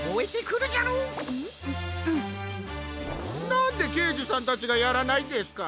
なんでけいじさんたちがやらないんですか？